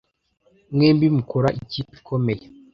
Mwembi mukora ikipe ikomeye